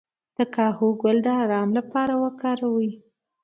د کاهو ګل د ارام لپاره وکاروئ